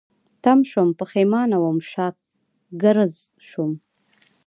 تم شوم، پيښمانه وم، شاګرځ شوم